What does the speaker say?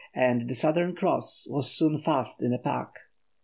and the Southern Cross was soon fast in a pack.